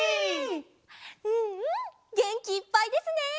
うんうんげんきいっぱいですね！